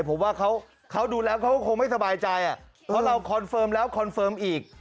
ผมว่าเขาดูแล้วเขาก็คงไม่สบายใจเพราะเราคอนเฟิร์มแล้วคอนเฟิร์มอีก